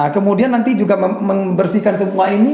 kemudian nanti juga membersihkan semua ini